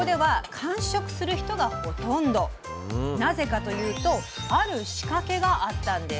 なぜかというとある仕掛けがあったんです。